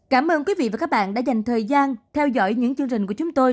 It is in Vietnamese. cảm ơn quý vị và các bạn đã dành thời gian theo dõi những chương trình của chúng tôi